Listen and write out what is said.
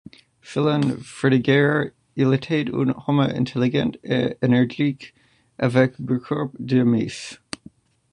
Selon Frédégaire, il était un homme intelligent et énergique avec beaucoup d'amis.